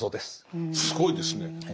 すごいですね。